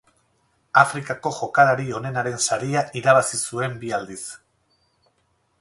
Afrikako jokalari onenaren saria irabazi zuen bi aldiz.